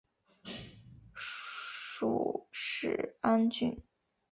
属始安郡。